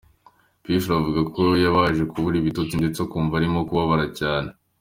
P Fla avuga ko yabanje kubura ibitotsi ndetse akumva arimo kubabara cyane.